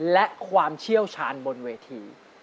และความเชี่ยวชาญบนเวที